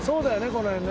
この辺ね。